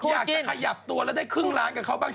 อยากจะขยับตัวแล้วได้ครึ่งล้านกับเขาบ้าง